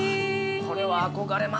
これは憧れますね。